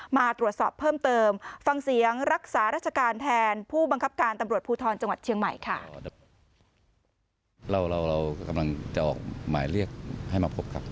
มาตรวจสอบเพิ่มเติมฟังเสียงรักษาราชการแทนผู้บังคับการตำรวจภูทรจังหวัดเชียงใหม่ค่ะ